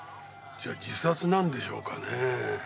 じゃあ自殺なんでしょうかねえ。